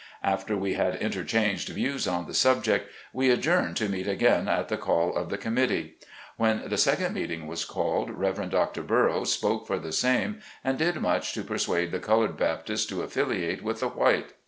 After we had interchanged views on the subject, we adjourned to meet again at the call of the com mittee. When the second meeting was called, Rev. Dr. Burrows spoke for the same, and did much to persuade the colored Baptists to affiliate with the white.